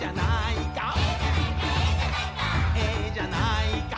「ええじゃないか」